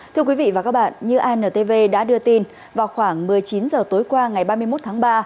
thưa quý vị và các bạn như antv đã đưa tin vào khoảng một mươi chín h tối qua ngày ba mươi một tháng ba